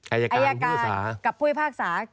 อายการกับผู้ศักดิ์ศาสตร์